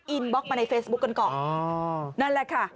บล็อกมาในเฟซบุ๊คกันก่อนอ๋อนั่นแหละค่ะ